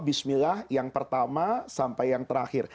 bismillah yang pertama sampai yang terakhir